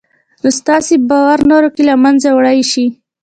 نو ستاسې باور نورو کې له منځه وړلای شي